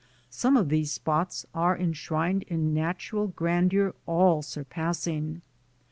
Some of these spots are enshrined in natural grandeur all surpassing.